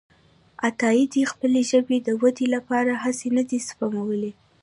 عطاييد خپلې ژبې د ودې لپاره هڅې نه دي سپمولي.